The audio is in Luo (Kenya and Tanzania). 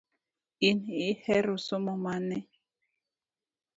In ihero somo mane?